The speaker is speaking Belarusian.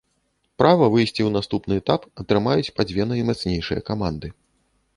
Права выйсці ў наступны этап атрымаюць па дзве наймацнейшыя каманды.